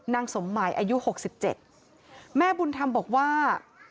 สมหมายอายุ๖๗แม่บุญธรรมบอกว่า